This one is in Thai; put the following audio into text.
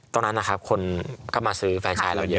ตอนนั้นนะครับคนก็มาซื้อแฟนชายเราเยอะ